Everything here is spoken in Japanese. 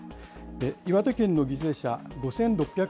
岩手県の犠牲者５６００